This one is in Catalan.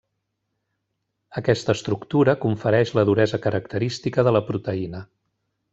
Aquesta estructura confereix la duresa característica de la proteïna.